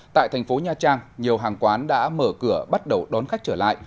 tại thành phố nha trang nhiều hàng quán đã mở cửa bắt đầu đón khách trở lại